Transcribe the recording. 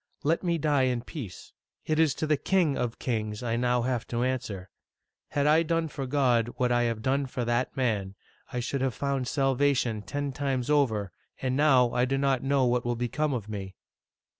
Let me die in peace. It is to the King of Kings I now have to answer. Had I done for God what I have done for that man, I should have found salvation ten times over, and now I do not know what will become of me